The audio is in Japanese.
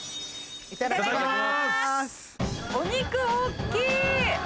いただきます！